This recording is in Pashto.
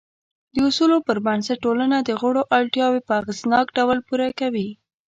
د اصولو پر بنسټ ټولنه د غړو اړتیاوې په اغېزناک ډول پوره کوي.